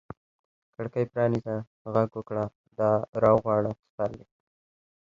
کړکۍ پرانیزه، ږغ وکړه را وغواړه سپرلي